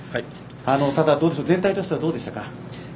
ただ、全体としてはどうでしたか。